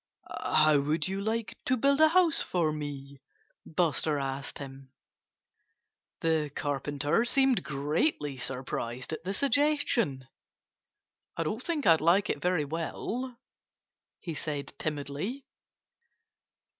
"How would you like to build a house for me?" Buster asked him. The Carpenter seemed greatly surprised at the suggestion. "I don't think I'd like it very well," he said timidly.